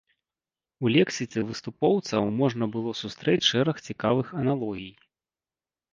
У лексіцы выступоўцаў можна было сустрэць шэраг цікавых аналогій.